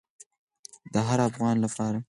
د هر افغان لپاره.